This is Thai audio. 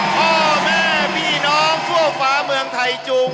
พ่อแม่พี่น้องทั่วฟ้าเมืองไทยจูง